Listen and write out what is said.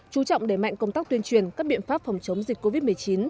chú trọng đẩy mạnh công tác tuyên truyền các biện pháp phòng chống dịch covid một mươi chín